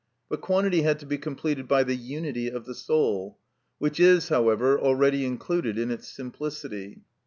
But quantity had to be completed by the unity of the soul, which is, however, already included in its simplicity.